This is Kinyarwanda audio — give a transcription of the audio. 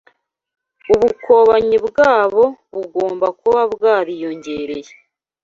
Ubukobanyi bwabo bugomba kuba bwariyongereye